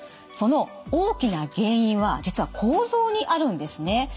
その大きな原因は実は構造にあるんですね。